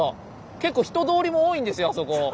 結構人通りも多いんですよあそこ。